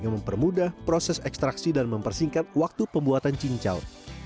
memudah proses ekstraksi dan mempersingkat waktu pembuatan cincau